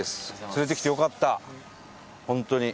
連れてきてよかった、本当に。